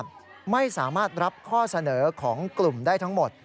ไม่สามารถรับข้อเสนอของกลุ่มได้ทั้งหมด